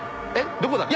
どこだっけ？